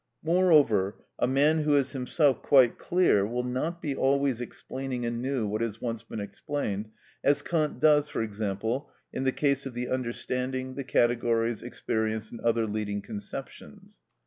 Moreover, a man who is himself quite clear will not be always explaining anew what has once been explained, as Kant does, for example, in the case of the understanding, the categories, experience, and other leading conceptions.